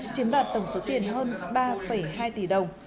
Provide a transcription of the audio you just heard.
chiếm đoạt tổng số tiền hơn ba hai tỷ đồng